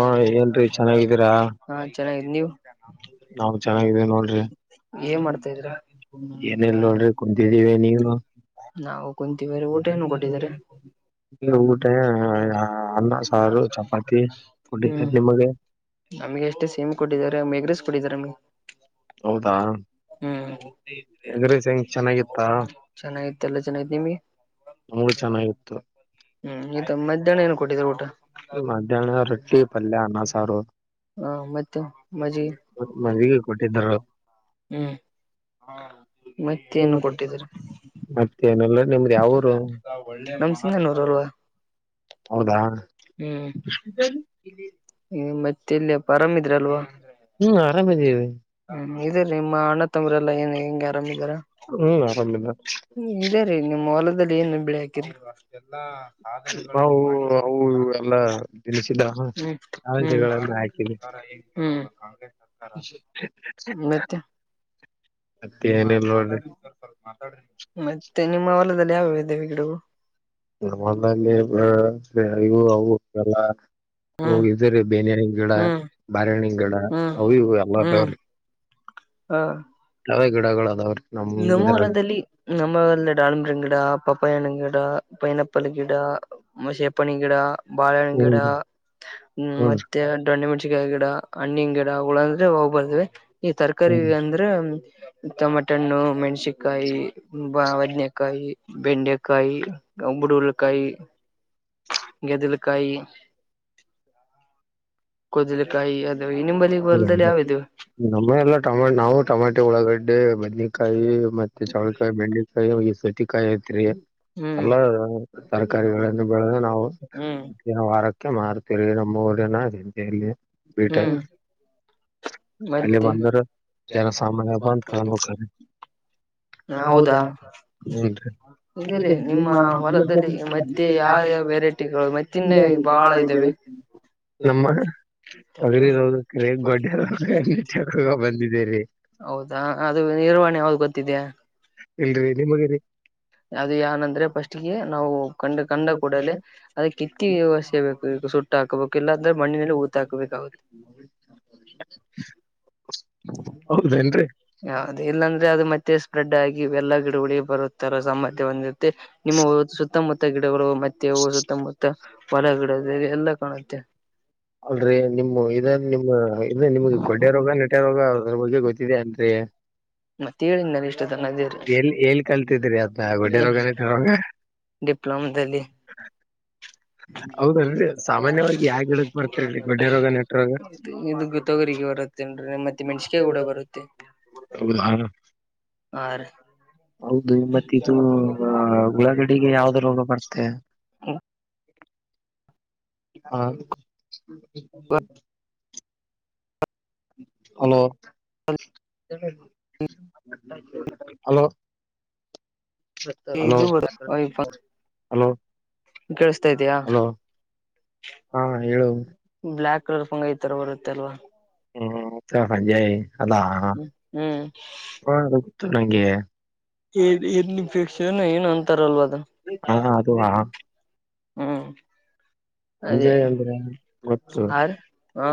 ಹಾ ಏನ್ ರಿ ಚೆನ್ನಾಗಿದ್ದೀರಾ. ಹಾ ಚೆನ್ನಾಗ ನೀವು. ನಾವು ಚೆನ್ನಾಗಿದೆೇ ನೋ್ರಿ. ಏನ್ ಮಾಡ್ತಾ ಇದ್ರ ಏನೆಲ್ ನೋಡ್ರಿ ಕುಂತಿದ್ದೀವಿ ನೀನು. ನಾವು [inaudible] ಕುಂತಿವ್ರ ಊಟ ಏನು ಕೊಟ್ಟಿದ್ದಾರೆ ಊಟ ಅನ್ನ ಸಾರು ಚಪಾತಿ ಕುಡಿತ ಹ್ಮ್ ನಿಮಗೆ. ನಮ್ಗೆ ಎಷ್ಟು ಸೇಮ್ ಕೊಟ್ಟಿದ್ದಾರೆ ಮೆಗ್ರಸ್ ಕೊಟ್ಟಿದಿದ್ದಾರೆಮಗೆ.. ಹೌದಾ. ಹ್ಮ್ ಎಗ್ ರೈಸ್ ಹೆಂಗ್ ಚೆನ್ನಾಗಿತ್ತ ಚೆನ್ನಾಗಿತ್ತ ಎಲ್ಲ ಚೆನ್ನಾಗತ್ ನಿಮ್ಗೆ. ನಮ್ಗ ಚೆನ್ನಾಗಿತ್ತು. ಹ್ಮ್ ಈ ಮಧ್ಯಾಹ್ನ ಏನ್ ಕೊಟ್ಟಿದ್ರರು ಊಟ. ಮಧ್ಯಾಹ್ನ ರೊಟ್ಟಿ ಪಲ್ಯ ಅನ್ನ ಸಾರು. ಹಾ ಮತ್ತೆ ಮಜ್ಜಿಗೆ. ಮದ್ವಿಗೆ ಕೊಟ್ಟಿದ್ರು ಹ್ಮ್ ಮತ್ತ ನು ಕೊಟ್ಟಿದ್ದರಿ. ಮತ್ತೆ ನಲ್ಲ ನಿಮ್ದ ಯಾವರು. ನಮ್ ಸಿಂಗನೂರ್ ಅಲ್ವಾ ಹೌದಾ. ಹ್ಮ್ ಮತ್ತೆ ಇಲ್ಲಿ ಅಪ್ಪ ಆರಾಮ ಇದ್ರ ಅಲ್ವಾ. ಹ್ಮ್ ಆರಾಮಧವಿ. ಹ ಇದೇ ನಿಮ್ಮ ಅಣ್ಣ ತಮ್ಮ್ರಲ್ಲಾ ಏನ್ ಹೆಂಗಗೆ ಆರಾಮ್ಿದಾರ. ಹ್ಮ್ ಆರಾಮಿಲ್ಲ. ಹ್ಮ ಇದೆ ರೀ ನಿಮ್ಮ ಹೊಲದಲ್ಲಿ ಏನು ಬಿಳಿ ಹಾಕಿರಿ. ಬಾವು ಅವು ನಾವು ಅವು ಎಲ್ಲ. ತಿಸಿದಗಳನ್ನು ಹಾಕ [unintelligible] ಮತ್ತೆ ಮತ್ತನಲ್ಲ ರಿ. ಮಾತಾಡಿರಿ......... ಮತ್ತೆ ನಿಮ್ಮ ಹೊಲದಲ್ಲಿ ಯಾವ್ಯಾವ ಇದೇವೆ ಗಿಡಗಳು. ಹೊಲದಲ್ಲಿ ನ ಅವು ಇವು ಎಲ್ಲ. ಹ್ಮ್ ಹಿದ್ರೀ ಬೇನನ ಗಿಡ ಹ್ಮ್ ಬಾರಣ್ಣಿನ ಗಿಡ ಅವಿ ಎಲ್ಲದವ್ರೀ. ಹಾ ಯಾವೇ ಗಿಡಗಳು ಅದಾವ್ರೀ ನಮ ಇದರಲ್ಲಿ. ಹೊಲದಲ್ಲಿ ನಮ್ಮ ಹೊಲದಲ್ಲಿ ಡಾಲ್ಂಬರ ಗಿಡ ಪಪ್ಪಾಯಣ ಗಿಡ ಪೈನಾಪ್ಪಲ್ ಗಿಡ. ಮಶೇಪಣಿ ಗಿಡ ಬಾಳಣ ಗಿಡ ಹ್ಮ್ ಮತ್ತೆ.... ಡೋನಮೆಣಸಿಕಾಯಿ ಗಿಡ ಹಣ್ಣಿನ ಗಿಡ ಉಳಂದ್ರೆ ಹೋಗ್ಬರ್ತೆ ಈ ತರಕಾರಿ ಹ್ಮ್ ಅಂದ್ರೆ. ಟಮೇಟನ್ನು ಮೆಣಸಕಾಯಿ ಬದೇನಕಾಯಿ. ಬೆಂಡೆಕಾಯಿ ಅಂಬಡುಉಲಕಾಯಿ. ಗಗೆದಲಕಾಯಿ. ಕದ್ಲುಕಾಯಿ ಅದು ಇ ನಿಂಬಲ್ಲಿ ಹೌದ ಹೊಲದಲ್ಲಿ ಯಾವದುವು. ನಮ್ಮ ಎಲ್ಲ ಟಮೋಟು ನಾವು ಟಮಾಟಿ ಒಳಗಡ್ಡೆ ಬದ್ನಕಾಯಿ. ಮತ್ತೆ ಚಾವಳಕಾಯಿ ಬೆಂಡೆಕಾಯಿ ಅವ ಸತಿಕಾಯಿ ಐತ್ರಿ. ಹ್ಮ್ ಎಲ್ಲ ತರಕಾರಿಗಳನ್ನು ಬೆಳೆದ ನಾವು ಹ್ಮ್ ವಾರ. ಅ ಮಾರ್ತೀರಿ ನಮ್ಮ ಊರನ ಹೆಂತಲ್ಲಿ ಬಟ. ಹ್ಮ್ ಅಲ್ಲಿ ಮತ್ತೆ ಬಂದರು ಜನ ಸಾಮನ್ಯ ಬಂದ ತೊಗೊಂಡು ಹೋಕತರಿ. ಹೌದಾ ಹ್ಮ್ ಇದಲ್ಲಿ ರಿ ನಿಮ್ಮ [inaudible] ಹೊಲದಲ್ಲಿ ಮತ್ತೆ ಯಾವ ಯಾವ ವೆರೈಟಿಗಳು ಮತ್ತಿನ್ನ ಬಹಳ ಾಳ ಇದ್ದಾವೆ ನಮ್ಮ [unintelligible] ಹಗಲಿ ಇರುದು. ರೇ ಗೊಡ್ಡ ರೋಗ ಹಿಟಕಗ್ ಬಂದಿದ್ದೇರಿ. ಹೌದಾ ಅದು ನಿರ್ವಹಣೆ ಯಾವ್ದ ಗೊತ್ತಿದೆಯಾ. ಇಲ್ಲರಿ ನಿಮಗ ರಿ ಅದು ಏನಂದ್ರೆ ಪಫಸ್ಟ್ಗೆ ನಾವು ಕಂಡ ಕಂಡ ಕೂಡಲೆ ಅದ ಕಿತ್ತಿ ವ್ಯವಸೆಯಬೇಕು ಈಗ ಸುಟ್ಟ. ಊಟ ಹಾಕ್ಬೇಕುಲ್ಲ ಅಂದ್ರೆ ಮಣ್ಣನಲ್ಲಿ ಊತ ಹೋತಹಾಕಬೇಕಾಗುತ್ತೆ. ಹೌದೇನ್ರಿ ಅದ ಇಲ್ಲಾಂದ್ರೆ ಅದು ಮತ್ತೆ ಸ್ಪ್ರೆಡ್ ಆಗಿ ಎಲ್ಲಾ ಗಿಡಗಳಿಗೆ ಬರುತ್ತಾರ ಸಾಮರ್ಥ್ಯ ಬಂದಿರುತ್ತೆ ನಿಮ್ಮ ಸುತ್ತಮುತ್ತ ಗಿಡಗಳು. ತೆವ ಸುತ್ತಮುತ್ತ ಹೊಲಗಿಡದಲಿ ಎಲ್ಲಾ ಕಾಣುತ್ತೆ. ಅಲ್ಲೆರಿ ನಿಮ್ಮ ಇದ ನಿಮ್ಮ ಇದ ನಿಮ್ಗೆ ಗೊಡ್ಡ ರೋಗ ನೆಟ ರೋಗ ಅದ್ರ ಬಗ್ಗೆ ಗೊತ್ತಿದೆ ಏನರೀ. ಹ ಮತ್ತೆ ಹ್ಮ ಹೇಳಿದ್ನಲ್ಲ ಇಷ್ಟ ತನಕ ಎಲ್ಲಿ ಎಲ್ಲಿ ಕಲ್ತಿದ್ರಿ ಅದ ಗೂಡ್ಡರೋಗ ನೆಟ್ಟೆರೋಗ. ಡಿಪ್ಲೋಮದಲ್ಲಿ. [inaudible] ಹೌದಲ ಏನರೀ ಸಾಮಾನ್ಯವಾಗಿ ಯಾವ ಗಿಡಕ್ ಬರ್ತರಿರಿ ಗೊಡ್ಡ ರೋಗ ನೆಟ ರೋಗ. ಮತ್ತ ಮೆಣಸಿಕಾಯ ಕೂಡ ಬರುತ್ತೆ. ಹೌದ ಹ. ಹಾ ರಿ. ಹೌದು ಮತ್ತ ಇದು ಉಳಾಗಡಿಗೆ ಯಾವ್ದ ರೋಗ ಬರ್ತೆ. ಹ. Hello............ hello. ಹಲೋ ಇದು ಹಲೋ ಕೇಳಸ್ತಾ ಇದ್ದೀಯಾ. ಹಲೋ ಹಾ ಹೇಳು ಬ್ಲ್ಯಾಕ್ ಕಲರ್ ಫಂಗ ಇತಾರ ಬರುತ್ತೆ ಅಲ್ವಾ. ಹ್ಮ್ ಸಂಜಯ್ ಅಲ್ಲಾ ಹ ಹ್ಮ್ ಗೋತ್ತು ನಂಗೆ ಇ ನಿಪೇಕ್ಷನ ಏನ್ ಅಂತಾರಲ್ವ ಅದ ಹಾ ಅದು ಹ್ಮ್ ಅದೇ ಸಂಜಯ್ ಅಂದ್ರೆ ಗೊತ್ತು. ಆ ಹಾ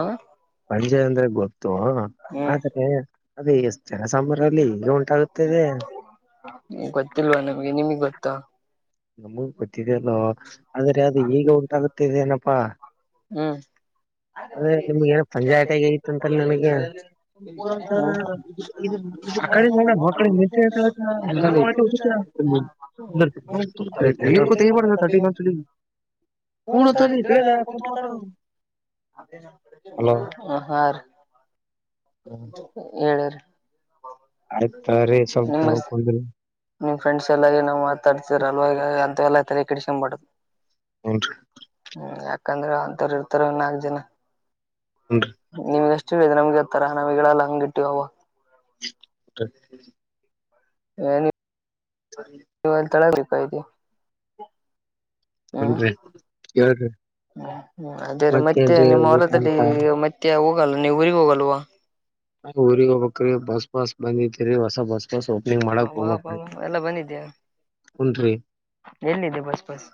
ಸಂಜಯ್ ಅಂದ್ರೆ ಗೊತ್ತು ಹ್ಮ್ ಆದ್ರೆ ಅದುಷ್ಟ ಸುಮಾರಿನಲ್ಲಿ ಇದೆ ಈಗ ಉಂಟಾಗುತ್ತೆ. ಗೊತ್ತಿಲ್ವಾ ನಿಮ್ಗೆ ನಿಮಗ್ ಗೊತ್ತಾ. ನಮಗ್ ಗೊತ್ತಿದೆ ಅಲ್ಲೋ ಆದ್ರೆ ಅದು ಈಗ ಉಂಟಾಗುತ್ತಿದೆ ಏನಪ್ಪ. ಹ್ಮ್ ಅದೇ ನಿಮಗೆ ಏನೋ ಪಂಜಾಯತಗೈತೆ ಅಂತಲ್ಲಿ ನಿಮಗೆ. ಹ ಆಕಡೆ ನೋಡ ಮಳ ಮ [unintelligible] ಗಂಚಲಿ [unintelligible] ಹ್ಮ್ ಅಂತೈದೀ ತಿಳ್ಯಾದ ಕುಂತ್ ಮಾತಾಡು. ಹಾ ರೀ ಹೇಳಿರಿ ಆಯ್ತ ತಗರೀ ಸಲ್ ನಿಮ್ಮ ಕುಂದಿರೀ ನಿಮ್ ಫ್ರೆಂಡ್ ಎಲ್ಲಾ ಏನೋ ಮಾತಾಡ್ತಿರ ಅಲ್ವಾ ಅಂತ ಎಲ್ಲಾ ತಲೆ ಕಡಸ್ಕೊ ಬೇಡ್ರೀ. ಹುನ್ರಿ ಹ್ಮ್ ಯಾಕಂದ್ರೆ ಅಂತರು ಇರ್ತಾರೆ ನಾಲ್ಕ ಜನ ಹುನ್ ನಿಮ್ಗೆಷ್ಟು ನಮಗೆ ಹತ್ತರ ನಾವ್ ಹೇಳಲ್ಲ ಹಂಗ ಇಟ್ಟಿವ ಅವಾಗ. ಹ ಏನ್ ಸರಿ ನೀವುಲ್ಲಿ ತಳಬೇಕ ಇದೆ. ಹನ್ರಿ ಹೇಳ್ರಿ ಹ್ಮ್ ಅದೇ ರೀ ಮತ್ತೆ ಮತ್ತೇನ್ರಿ ನಿಮ್ಮ ಊಟ ಹೊಲದಲ್ಲಿ ಅಂತ ಮತ್ತೆ ಹೋಗಲ್ಲ ನೀವು ಊರಿಗೆ ಹೋಗಲ್ವಾ. ಊರಿಗೆ ಹೋಗಬೇಕ್ರೀ ಬಸ್ ಪಾಸ್ ಬಂದೈತರಿ ಹೊಸ ಬಸ್ ಸ್ ಓಪನಿಂಗ್ ಮಾಡಕ್ ಬಾ ಹೋಗಬೇಕ್ ಬಾ ರೀ ಎಲ್ಲ ಬಂದಿದ್ಯಾ ಹ್ಮ್ ರೀ. ಎಲ್ಲಿದೆ ಬಸ್ ಪಾಸ್.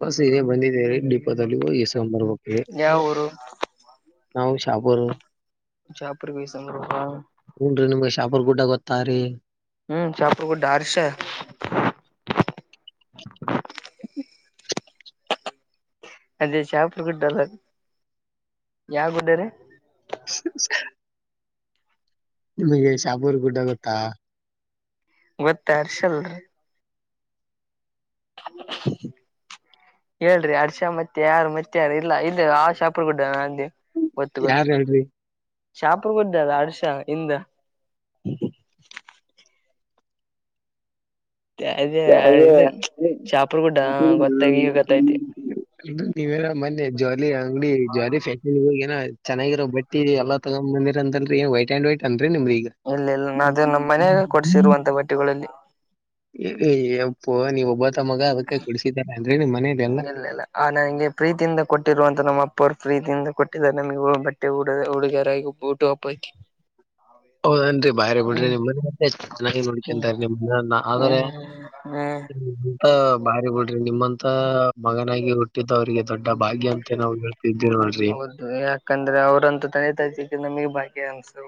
ಬಸ್ ಇದೇ ಬಂದಿದೆ ರೀ ಡಿಪೋ ದಲ್ಲಿ ಹೋಗಿ ಇಸ್ಕೋಬರಬೇಕ್ರೀ. ಯಾವ ಊರು ನಾವು ಶಾಪೂರ್ ಶಾಪೂರ್ [unintelligible] ಹ್ಮ್ ರೀ ನಿಮಗೆ ಶಾಪರ್ ಗುಡ್ಡ ಗೊತ್ತಾರೀ. ಹ್ಮ್ ಶಾಪೂರ್ ಗುಡ್ಡ ಹರ್ಷ ಅದೇ ಶಾಪೂರ್ ಗುಡಲ್ಲ ಯಾವ ಗುಡ್ಡ ರೀ. [unintelligible] ನಿಮಗೆ ಶಾಪೂರ್ ಗುಡ್ಡ ಗೊತ್ತಾ. ಗೊತ್ತ ಹರ್ಷ ನೋಡ್ರೀ [unintelligible] ಹೇಳ್ರಿ ಹರ್ಷ ಮತ್ತೆ ಯಾರು ಮತ್ತೆ ಯಾರು ಇಲ್ಲ ಇ ಆ ಶಾಪೂರ್ ಗುಡ್ಡ ಅಲ್ಲಿ. ಗೊತ್ತು ಯಾರ್ ಗೊತ್ತು ಹೇಳ್ರಿ ಶಾಪರ್ ಗೂಡ್ದಾಗ ಹರ್ಷ ಹಿಂದ. ಅದೇ [unintelligible] ಅ ಇದು ಶಾಪುರ್ ಗುಡ್ಡ ಗೊತ್ತಾಗಿ ಈಗ ಗೊತ್ತೈತಿ ನೀವೆಲ್ಲ ಮೊನ್ನಿ ಜ್ವಾಲಿ ಅಂಗಡಿ ಜ್ವಾಲಿ ಫ್ಯಾಷನ್ ಹೋಗನಾ ಚೆನ್ನಾಗಿರೋ ಬಟ್ಟಿ ಎಲ್ಲ ತಗ್ಂಬಂದಿರ್ ಅಲ್ರಿ ವಟ್ಂಡ್ ವೈಟ್ ಅನ್ರಿ ನಿಮ್ದ ಈಗ ಇಲ್ಲ ಇಲ್ಲ ಅದೇ ನಮ್ಮ್ ಮನಾಗ ಕೊಡ್ಸಿರುವಂತ ಬಟ್ಟಿಗಳಲ್ಲಿ. ಯಾಪ್ಪೋ ನೀವ್ ಒಬ್ಬತ ಮಗ ಅದಕ್ಕೆ ಕೊಡಡ್ಸಿದಾರ ಅಲ್ರಿ ನಿಮ್ ಮನೆಲಿ ಎಲ್ಲ. ಇಲ್ಲ ಇಲ್ಲ ಆ ನಂಗೆ ಪ್ರೀತಿಯಿಂದ ಕೊಟ್ಟಿರುವಂತ ನಮ್ಮ ಅಪ್ಪ ಅವರು ಪ್ರೀತಿಯಿಂದ ಕೊಟ್ಟಿದಿದ್ದಾರೆ ನಮಗೆ ಬಟ್ಟೆ ಉಡುಗರೆ ಹಾಗಿ ಹುಟ್ಟುಹಬ್ಬಕ್ಕೆ. [inaudible] ಹೌದನ್ರಿ ಬಾರೀ ಬಿಡ್ರಿ ಹ್ಮ್ ನಿಮ್ಮ ಮನೆ ಮತ್ತೆ ಚೆನ್ನಾಗಿ ನೋಡ್ಕಂತ ನಿಮ್ನ್ನ ಆದ್ರೆ. ಹ್ಮ ಬಾರಿ ಬಿಡ್ರಿ ನಿಮ್ಮಂತ ಮಗನಾಗಿ ಹುಟ್ಟಿದ್ದ ಅವ್ರಿಗೆ. ದೊಡ್ಡ ಭಾಗ್ಯ ಅಂತ ನಾವು ಹೇಳ್ತಿದ್ದೀವಿ ನೋಡ್ರಿ. ಹೌದು ಯಾಕಂದ್ರೆ ಅವ್ರಂತ ತಂದೆ ತಾಯಿ ಸಿಕ್ಕಿದು ನಮಗೆ ಭಾಗ್ಯ ಅನ್ನಿಸ್ತು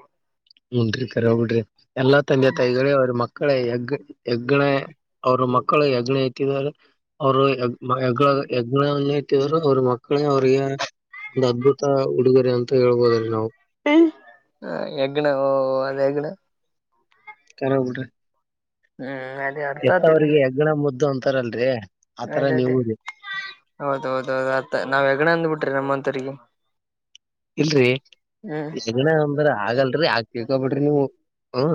ಹುನ್ರಿ ಕರಿ ಬಿಡ್ರಿ ಎಲ್ಲಾ ತಂದೆ ತಾಯಿಗಳೇ ಅವ್ರ ಮಕ್ಕಳ ಹೆಗ್ ಹೆಗ್ಗಣ. ಅವರು ಮಕ್ಕಳು ಯಜ್ಞ ಇಟ್ಟಿದ್ದಾರೆ ಅವರು ಯಜ್ಞ ಅವ್ರ ಮಕ್ಕಳೇ ಅವ್ರರಿಗೆ ಒಂದು ಅದ್ಭುತ ಉಡುಗೊರೆ ಅಂತ ಹೇಳ್ಬೋದ್ರೀ ನಾವು. ಹೆಗ್ನ ಒಂದು ಹೆಗ್ನ [unintelligible] ಬಿಡ್ರಿ ಹ್ಮ್ ಅದೇ ಅರ್ಥ ಆತಿದೆ ಹೆತ್ತವರಿಗೆ ಹೆಗ್ಣ ಅದೇ ಮುದ್ದು ಅಂತಾರಲ್ರರಿ ಆತರ ನೀವುರೀ ಹೌದ ಹೌದೌದು ಆತ್ತ ನಾವ್ ಹೆಗ್ಣ ಅಂದ್ಬಿಟ್ರಿ ನಮ್ಮಂತರಿಗೆ ಇಲ್ರರಿ ಹ್ಮ್ ಹೆಗಣ ಅಂದ್ರ ಆಗಲ್ರರಿ ಆಗ್ ತಿಳ್ಕೊಬಿಡ್ರಿ ನೀವು.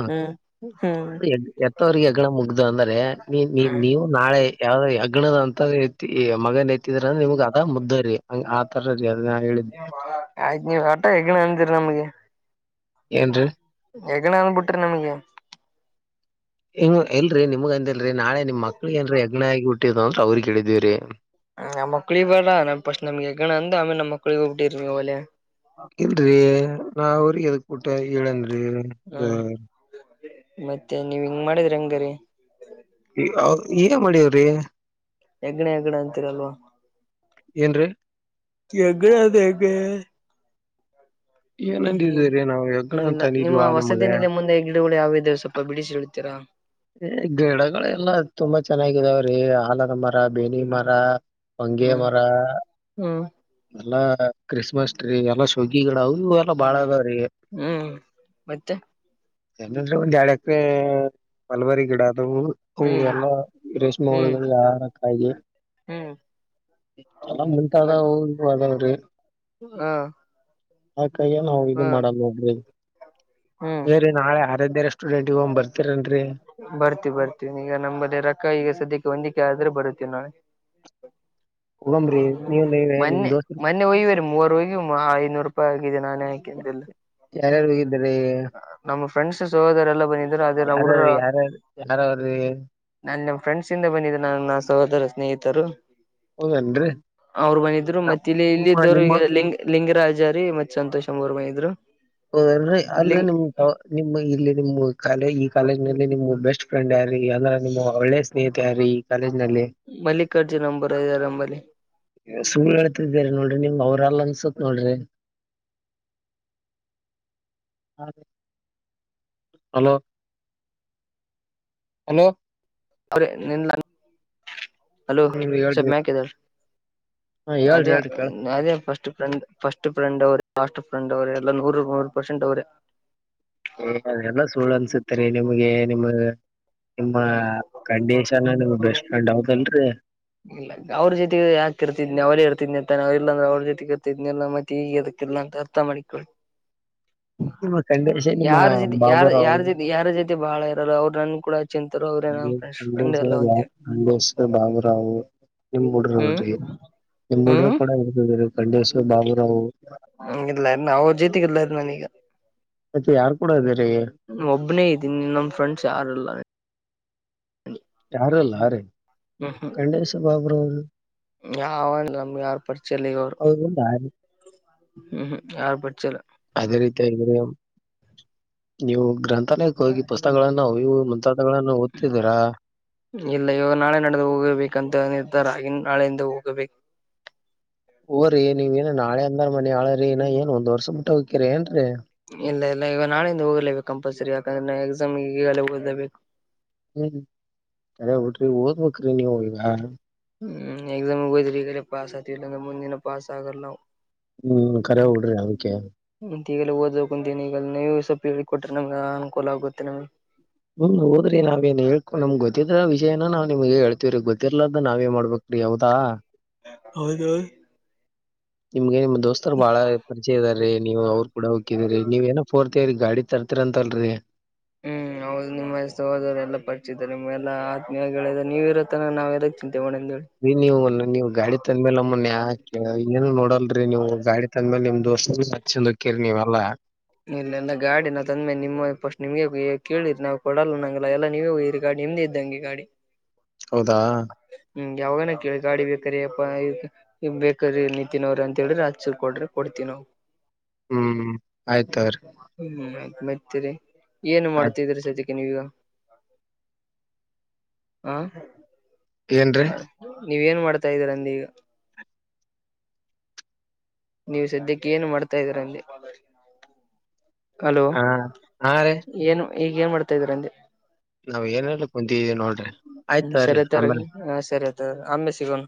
ಹ್ಮ್ ಹ್ಮ್ ಹೆತ್ತವಿಗೆ ಹೆಗ್ಗಣ ಮುಗ್ದು ಅಂದ್ರೆ ನೀ ನೀವು ನಾಳೆ ಯಾವ ಹೆಗ್ಣದ ಅಂತವ್ ಮಗನ್ ಹೆತಿದ್ರ ಅಂದ್ರೆ ನಿಮಗ್ಗೆ ಅದ ಮುದ್ದರಿ ಹಂಗ ಆತರ ರೀ ಅದ ಹೇಳಿದ್ದೆ. ಆಯ್ತ ನೀವ ಒಟ ಹೆಗ್ಣ ಅಂದಿರಿ ನಮ್ಗೆ. ಏನ್ರಿ. ಹೆಗಣ ಅನ್ಬಿಟ್ರಿ ನಮಗೆ. ಹಂಗ ಇಲ್ರಿ ನಿಮಗ ಅಂದಲ್ರಿ ನಾಳೆ ನಿಮ್ಮ ಮಕ್ಳಿಗೆ ಹೆಗಣ ಹಾಗಿ ಹುಟ್ಟಿದ್ ಅವ್ರಗ್ ಕೇಳಿದಿವಿರಿ. ನಮ್ಮ ಮಕ್ಳಿಗೆ ಬರ್ರ ಫ್ರಿಸ್ಟ್ ನಮಗೆ ಹೆಗಣ ಅಂದ ನಮ್ಮ ಮಕ್ಳಿಗೆ ಹುಟ್ಟಿರಿ ನೀವು ಒಲೆ. ಇಲ್ರರಿ ನಾವ ಅವ್ರ [unintelligible] ಹೇಳೇನ್ರಿ. ಹ್ಮ್ ಮತ್ತೆ ನೀವ್ ಹಂಗ ಮಾಡಿದ್ರಿ ಹಂಗರಿ ಏನ ಮಾಡವ್ರಿ. ಹೆಗ್ಣ ಹೆಗ್ಣ ಅಂತೀರಲ್ವಾ. ಏನ್ರಿ ಹೆಗ್ಗಣ ಅದೇ ಹೆಂಗೆ ಹ್ಮ್ ಏನಂದಿದೀರಿ ನಾವು ಹೆಗ್ಗಣ ಹ್ಮ್ ಅಂತ ಇಲ್ಲ ನಿಮ್ಮ ಅಂದಿದ್ವಾ ನಿಮಗ ವಸತಿ ನಿಲಯ ಮುಂದೆ ಗಿಡಗಳು ಯಾವ ಇದಾವ ಸ್ವಲ್ಪ ಬಿಡಿಸಿ ಹೆಳತೀರಾ ಏ ಗಿಡಗಳೆಲ್ಲಾ ತುಂಬಾ ಚೆನ್ನಾಗಿದಾವ್ರೀ ಹಲದ ಮರ ಬೇವಿನ ಮರ. ಹೊಂಗೆ ಮರ ಹ್ಮ್ ಎಲ್ಲಾ ಕ್ರಿಸ್ಮಸ್ ಟ್ರೀ ಎಲ್ಲ ಶೋಕಿ ಗಿಡ. ಇನ್ನ ಬಾಳ ಅದಾವ್ರೀ ಹ್ಮ್ ಮತ್ತೆ ಒಂದ ಎರಡ್ ಎಕರೆ. ಹಲ್ವಾರಿ ಗಿಡ ಆದದವು ಅ ಹ್ಮ್ ಎಲ್ಲ ಗ್ರೀಷ್ಮ ಹ್ಮ್ ಗಿಡ ಯಾರ ಕಾಯ. ಹ್ಮ್ ಎಲ್ಲ ಮತ್ ಮುಂತಾದವು ಅವು ಇವು ಅದಾವ್ರಿ. ಹಾ ಆಕಾಗಿನ್ ನಾವು ಇದು ಹಾ ಮಾಡಲ್ಲ ಬೈ ಹ್ಮ್ ನಾಳೆ ಆರಾಧ್ಯ ರೆಸ್ಟೋಡೆಂಟ್ ಹೋಗೋನು ಬರ್ತೀರೇನ್ರಿ. ಬರ್ತೀವಿ ಬರ್ತೀವಿ ಈಗ ನಮ್ಮದ ರೊಕ್ಕ ಈಗ ಸದ್ಯಕ್ಕೆ ಹೊಂದಿಕ ಆದ್ರೆ ಬರ್ತೀವಿ ನಾಳೆ. [inaudible] ಹೋಗಮ್ರಿ ನೀವ್ ಮನ್ನೆ ಮ ನೀವೇ ನಿಮ್ [unintelligible] ದೋಸ್ತರು ನನ್ನೆ ಒಯ್ಯವರಿ ಮೂವರು ಹೋಗಿ ಐನೂರು ರೂಪಾಯಿ ಆಗಿದೆ ನಾನೇ ಹಾಕೆ ಎಲ್ಲ. ಯಾರ್ಯಾರು ಹೋಗಿದ್ದ್ರಿ? ನಮ್ಮ್ ಫ್ರೆಂಡ್ಸ್ ಸೋದರರೆಲ್ಲ ಬಂದಿ ಯಾರ ಯಾರಾರ ಯಾರಾವ್ರ [unintelligible] ನಾನ್ ನಮ್ಮ್ ಫ್ರೆಂಡ್ಸ್ ಇಂದ ಬಂದಿದ ನನ್ನ ಸೋದರ ಸ್ನೇಹಿತರು. ಹೌದೇನ್ರಿ ಅವ್ರು ಬಂದಿದ್ರು ನಮ್ ಮತ್ತೆ ಇಲ್ಲಿ ನಿಮ್ಮ ಇಲ್ಲಿದ್ದವರು ಈ ನಿಮ್ಮ ಲಿಂಗರಾಜಾರಿ ಮತ್ ಸಂತೋಷ್ ಅಂಬೊರ್ ಬಂದ್ದಿದ್ರು. ಹೌದಲ್ರಿ ಅಲ್ರಿ ನಿಮ್ ನಿಮ್ಮ ಇಲ್ಲಿ ನಿಮ ಕಾಲ ಈ ಕಾಲೇಜ್ ನಲ್ಲಿ ನಿಮ ಬೆಸ್ಟ್ ಫ್ರೆಂಡ್ ಯಾರೀ? ಅಂದ್ರ ನಿಮ್ಮ ಒಳ್ಳೆ ಸ್ನೇಹಿತ ಯಾರೀ? ಕಾಲೇಜನಲ್ಲಿ. ಮಲ್ಲಿಕಾರ್ಜುನ್ ನಂಬರ ಇದೆರಿನಂಬಲ್ಲಿ. ಸುಳ್ಳು ಹಳ್ತಿದೀರಿ ನೋಡ್ರಿ ನಿಮ್ ಅವ್ರ ಅಲ್ ಅನ್ಸತ್ ನೋಡ್ರಿ. [inaudible] ಹಲೋ, ಹಲೋ ಅವ್ರೆ ನಿನ್ [unintelligible] ಹಲೋ ಹ್ಮ ಸ್ವ ಹೇಳ್ರಿ ಮ್ಯಾಕ್ ಎದ್ದೇಳ್ರಿ ಹ ಹೇಳ್ರಿ ಹೇಳ್ರಿ ಕೇಳ ಅದೇ ಫಸ್ಟ್ ಫ್ರೆಂಡ್. ಫಸ್ಟ್ ಫ್ರೆಂಡ್ರು ಲಾಸ್ಟ್ ಫ್ರೆಂಡ್ ಅವ್ರೆ ಎಲ್ಲ ನೂ ನ ಮೂರು ಪರ್ಸೆಂಟ್ ಅವ್ರೆ. ಅ ಎಲ್ಲ ಸುಳ್ಳು ಅನ್ಸತ್ತರಿ ನಿಮ್ಗೆ ನಿಮ್ಗ ನಿಮ್ಮ ಕಂಡಿಶನ ಬೆಸ್ಟಪ್ರೆಂಡ ಹೌದಲ್ರಿ. ಇಲ್ಲ [unintelligible] ಅವ್ರ ಜೊತೆ ಯಾಕ ಇರತ್ದನಾಅವೇ ಇರ್ತಿದನಿ ಅಂತಾವು ಇಲ್ಲಂದ್ರ ಅವ್ರ ಜೊತೆ ಇರ್ತಿದ್ನಲ್ಲ ಮತ್ತೆ ಈಗೆದಕ್ಕಿಲ್ಲ ಅಂತ ಹೇಳ ಹತ್ತ ಮಣಿಕೂರ್ [unintelligible] [inaudible] ಕಂಡೀಷನ್ ನಿಮ್ಮ ಯಾರ ಜೊತೆ ಯಾರ ಬಾಬುರಾವ್ ಯಾರ ಜೊತೆ ಯಾರ ಜೊತೆ ಬಹಳ ಇರಲ್ಲ ಅವ್ರ ನನ್ನ ಕೂಡ ಚಿಂತರು ಅವ್ರೇ [unintelligible] ರ್ ಫ್ರಂಡ್ ಎಲ್ಲ ಅಂತಿ ನಂಗಸ್ ಬಾಬುರಾವ್ ನಿಂಬ ಹ್ಮ್ ಹುಡರು್ರಿ ನಿುಡರು ಹ್ಮ್ ಕೂಡ ಇ [unintelligible] ಗಂಡೇಶ್ವ, ಬಾಬುರಾವ್ ಹ ಇಲ್ಲ ಅಣ್ಣಾ ಅವ್ರ ಜೊತಿಗಿಇಲ್ಲ ಇ ನಾನೀಗ. ಮತ್ತೆ ಯಾರ್ ಕೂಡ ಇದರಿ. ಒಬ್ನೇ ಇದ್ದೀನ್ ನಮ್ಮ್ ಫ್ರೆಂಡ್ಸ್ ಯಾರಿಲ್ಲ. ಯಾರಿಲ್ಲ ಅ ರೀ ಹ್ಮ ಹಾ [inaudible] ಖಂಡೇಶ ಬಾಬುರಾವ್ ಅವರು. ಯಾವಂದ ನಮ್ ಯಾರ ಪರಿಚಯಿಲ್ಲ ಈಗ ಅವರು ಅವ್ರಿಂದ ಹ್ಮ್ ಯಾರು ಪರಿಚಯಿಲ್ಲ. ಅದೇ ರೀತಿ ನೀವು ಗ್ರಂಥಾಲಯಕ್ಕೆ ಹೋಗಿ ಪುಸ್ತಕಗಳನ್ನ ಅವು-ಇವು ಮುಂತಾದವು. ಗಳನ್ನು ಓದ್ತಿದೀರಾ ಇಲ್ಲ ಇವಾಗ ನಾಳೆ ನಾಡಿದ ಹೋಗಬೇಕಂತ ನಿರ್ಧಾರ ಈಗನಾಳೆಯಿಂದ ಹೋಗಬೇಕು. ಹೋಗ್ರಿ ಇನ್ನಾ ನೀವಏನ ನಾಳೆ ಅಂದರಮನಿ ಹಾಳ್ರಿ ಇನ್ನಾಏನ್ ಒಂದ್ ವರ್ಷ ಬಿಟ್ಟ ಹೋಗಕಿರಿ ಏನ್ರೀ. ಇಲ್ಲ ಇಲ್ಲ ಈಗ ನಾಳೆಯಿಂದ ಹೋಗ್ಲೇಬೇಕು ಕಂಪಲ್ಸರಿ ಯಾಕಂದ್ರೆ ಎಕ್ಸಾಮ್ಗೆ ಈಗಾಗಲೆಹೋಗಲೇಬೇಕು. ಹ್ಮ್ ಚರಿ ಬಿಡ್ರಿ ಓದ್ಬೇಕ್ರಿ ನೀವ ಈಗ [unintelligible] ಹ್ಮ್, ಎಕ್ಸಾಮ್ಸ್ ಗ ಓದಿದರೆ ಈಗನಪಾಸ ಆಗತಿವಿ ಮುಂದ ದಿನ ಪಾಸ ಆಗಲ್ಲಾನಾವ್. ಹ್ಮ್, ಹ್ಮ್ ಕರೆ ಬಿಡ್ರಿ ಅದಕ್ಕ ಮ ಈಗಲ್ಲ ಓದೋಗಂತಿನಿ ಈಗ ನೀವು ಸ್ವಲ್ಪ ಹೇಳಿ ಕೊಟ್ರೆ ನಮ್ಗೆ ಅನುಕೂಲ ಆಗುತ್ತೆ ನಮ್ಗೆ. ಹ್ಮ್ ಓದ್ರಿ ನಾವೇ ಏನ್ ಹೇಳ್ಕೊ ನಮ್ ಗೊತ್ತಿದ್ರ ವಿಷಯನ ನಾವ್ ನಿಮಗ್ ಹೇಳ್ತಿವ್ರೀ ಗೊತಿರ್ಲದ ನಾವೇನ್ ಮಾಡ್ಬೇಕು. ರೀ ಹೌದಾ ಹೌದು ನಿಮ್ಗೆ ನಿಮ್ ದೋಸ್ತರು ಬಹಳ ಪರಿಚಯ ಇದಾರೀ ನೀವು ಅವರು ಕೂಡ ಹೋಗಕ್ಕಿನ್ ರೀ ನೀವ ಏನೋ ತೆರಿ ಗಾಡಿ ತರ್ತಿರ ಅಂತ ಅಲ್ ರೀ ಹ್ಮ್ [inaudible] ಹೌದು ನಿಮ್ಮ ಸೋದರರೆಲ್ಲ ಪರಿಚಿದಿದ್ದಾರೆ ಎಲ್ಲ ಆತ್ಮೀಯಾಗ ಗೆಳಯರು ನೀವು ಇರೊತ್ತನ ನಾವ ಎಲ್ಲ ಚಿಂತೆ ಮಾಡಣ ಅಂತ ಹೇಳಿ. ರೀ ನೀವು ನೀವು ಗಾಡಿ ತಂದ್ಮೇಲೆ ನಮ್ಮನ್ಯಾಕೆ ಏನು ನೋಡಲ್ರರಿ ನೀವು ಗಾಡಿ ತಂದ್ಮೇಲೆ ನಿಮ್ ದೋಸ್ತ ಹಚ್ಚನ್ಕಿರಿ ನೀವೆಲ್ಲಾ. ಇಲ್ಲ ನನ್ನ ಗಾಡಿ ನಾನ್ ತಂದ್ಮೇಲೆ ನಿಮ್ಮ ಪಸ್ಟ್ ನಿಮ್ಗೆ ಕೇಳಿರಿ ನಾವು ಕೊಡಲ್ಲ ನಂಗಲ್ಲ ಎಲ್ಲ ನೀವೆ ಹೊಯಿರಿ. ಗಾಡಿ ನಿಮ್ದೇ ಇಂದಗೆ ಗಾಡಿ. ಹೌದಾ ಹ್ಮ್ ಯಾವಾಗನ ಕೇಳಿ ಗಾಡಿ ಬೇಕಾರೆ ಯಪ್ಪ ಈ ಬೇಕ್ರ ನಿತಿನ್ ಅವ್ರ ಅಂತ ಹೇಳ್ರಿ ಅತ್ ಕೊಡ್ರೆ ಕೊಡ್ತೀವಿ ನಾವು. ಹ್ಮ್ ಆಯ್ತ್ ತಗೊರಿ. ಹ್ಮ್ ಆಯ್ತ್ ಮ್ತಿರಿ ಏನ್ ಆಯ್ತ್ ಮಾಡ್ತಿದ್ರಿ ಸದಿಕಿ. ಆ ಏನ್ರೀ ಹ ನೀವೇ ಏನ್ ಮಾಡ್ತಾ ಇದ್ದೀರಾ ಅಂದೀಗ. ನೀವು ಸದ್ಯಕ್ಕೆ ಏನು ಮಾಡ್ತಾ ಇದೀರ ಅಂದೆ. ಹಲೋ ಹಾ ಹ ರೀ ಏನು ಈಗ ಏನ್ ಮಾಡ್ತಾ ಇದೀರ ಅಂದೆ. ನಾವ್ ಏನ್ನೀಲ್ಲ ಕುಂತಿದೀವಿ ನೋಡ್ರಿ ಆಯ್ ಹ್ಮ್ ತಗರೀ ಸರಿ ತಗರಿ ಆಮೇಲ್ ಹಾ ಸರಿ ಆಯ್ತ್ ಆಮ್ಮೆಲ್ ಸಿಗೋಣ